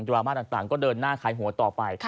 ราม่าต่างก็เดินหน้าขายหัวต่อไป